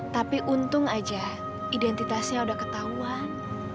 tapi untung aja identitasnya udah ketahuan